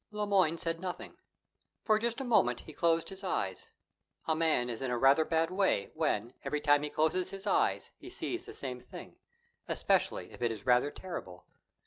Le Moyne said nothing. For just a moment he closed his eyes. A man is in a rather a bad way when, every time he closes his eyes, he sees the same thing, especially if it is rather terrible.